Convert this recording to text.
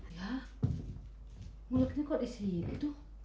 ya mulutnya kok di situ